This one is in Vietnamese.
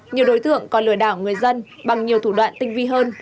nhiều đối tượng còn lừa đảo người dân bằng nhiều thủ đoạn tinh vi hơn